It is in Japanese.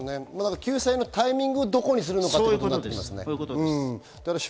タイミングをどこにするかということですよね。